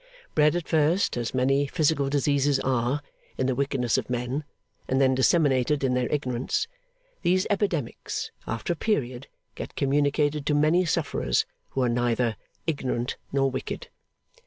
Bred at first, as many physical diseases are, in the wickedness of men, and then disseminated in their ignorance, these epidemics, after a period, get communicated to many sufferers who are neither ignorant nor wicked.